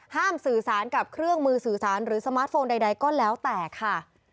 สื่อสารกับเครื่องมือสื่อสารหรือสมาร์ทโฟนใดก็แล้วแต่ค่ะ